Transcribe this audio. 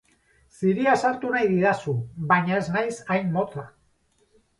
Ziria sartu nahi didazu, baina ez naiz hain motza.